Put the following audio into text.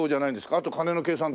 あと金の計算と。